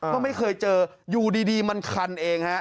ก็ไม่เคยเจออยู่ดีมันคันเองฮะ